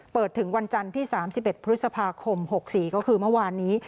ถึงวันจันทร์ที่๓๑พฤษภาคม๖๔ก็คือเมื่อวานนี้